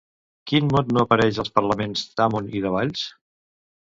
Quin mot no apareix als parlaments d'Hamon i de Valls?